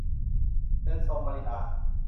เรือนทรงมลิลา